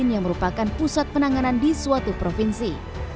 yang merupakan pusat penanganan di suatu provinsi